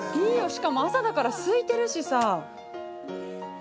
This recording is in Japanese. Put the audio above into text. しかも、朝だから空いてるしさ。